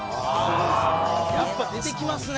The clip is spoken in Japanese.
やっぱ出てきますね！